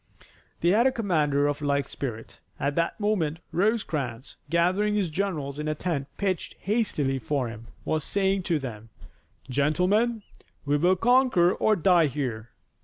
They had a commander of like spirit. At that moment Rosecrans, gathering his generals in a tent pitched hastily for him, was saying to them, "Gentlemen, we will conquer or die here."